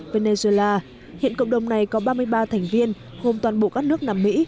venezuela hiện cộng đồng này có ba mươi ba thành viên gồm toàn bộ các nước nam mỹ